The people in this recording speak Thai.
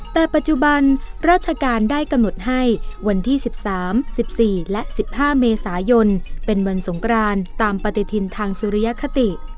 แต่ปัจจุบันราชการได้กำหนดให้วันที่๑๓๑๔และ๑๕เมษายนเป็นวันสงกรานตามปฏิทินทางสุริยคติ